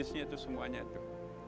ada jenisnya itu semuanya itu